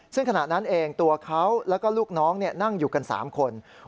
ซึ่งขณะนั้นเองตัวเขาแล้วก็ลูกน้องนั่งอยู่กัน๓คน